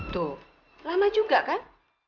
tuh lama juga kan